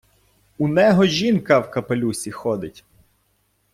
Унего жінка в капелюсі ходить.